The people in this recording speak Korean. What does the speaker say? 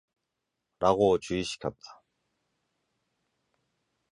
라고 주의시켰다.